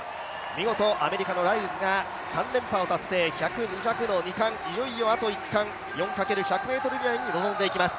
見事、アメリカのライルズが３連覇を達成、１００、２００の２冠、いよいよあと１冠、４×１００リレーに臨んでいきます。